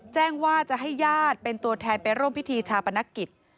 แจ้งว่าจะให้ญาติเป็นตัวแทนไปร่วมพิธีชาปนกิจ